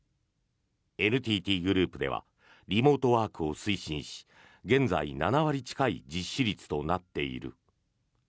ＮＴＴグループではリモートワークを推進し現在７割近い実施率となっている。